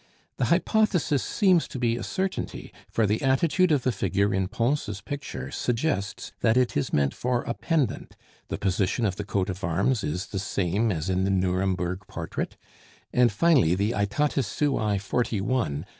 The hypothesis seems to be a certainty, for the attitude of the figure in Pons' picture suggests that it is meant for a pendant, the position of the coat of arms is the same as in the Nuremberg portrait; and, finally, the _oetatis suoe XLI.